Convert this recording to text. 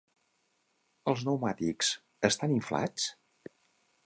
Els pneumàtics estan inflats?